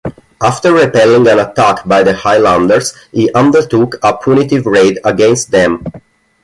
After repelling an attack by the highlanders, he undertook a punitive raid against them.